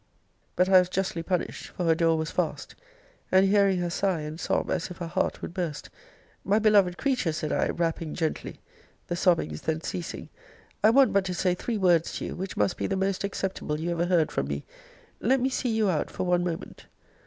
But I was justly punished; for her door was fast: and hearing her sigh and sob, as if her heart would burst, My beloved creature, said I, rapping gently, [the sobbings then ceasing,] I want but to say three words to you, which must be the most acceptable you ever heard from me. Let me see you out for one moment.